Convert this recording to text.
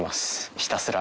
ひたすら。